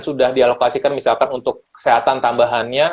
sudah dialokasikan misalkan untuk kesehatan tambahannya